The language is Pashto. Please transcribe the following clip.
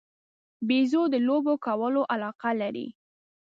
بیزو د لوبو کولو علاقه لري.